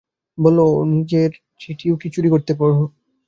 বললে, নিজের চিঠিও কি চুরি করে পড়তে হবে?